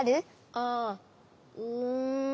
ああうん。